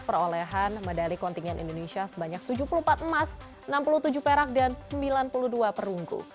perolehan medali kontingen indonesia sebanyak tujuh puluh empat emas enam puluh tujuh perak dan sembilan puluh dua perunggu